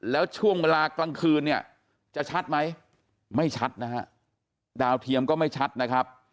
แล้วช่วงเวลากลางคืนเนี่ยจะชัดไหมไม่ชัดนะฮะดาวเทียมก็ไม่ชัดนะครับ